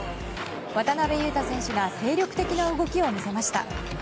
渡邊雄太選手が精力的な動きを見せました。